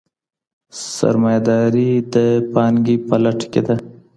سرمایه داري د پانګې په لټه کي ده.